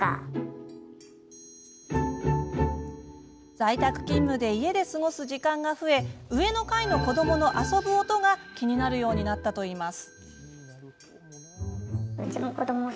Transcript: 在宅勤務で家で過ごす時間が増え上の階の子どもの遊ぶ音が気になるようになったといいます。